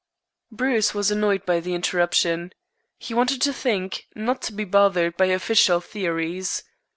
Bruce was annoyed by the interruption. He wanted to think, not to be bothered by official theories.